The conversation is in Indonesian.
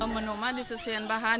menu menu disusun bahan